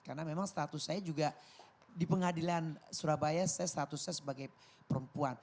karena memang status saya juga di pengadilan surabaya saya statusnya sebagai perempuan